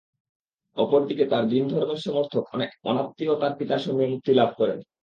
অপরদিকে তার দীন-ধর্মের সমর্থক অনেক অনাত্মীয়ও তার পিতার সঙ্গে মুক্তিলাভ করেন।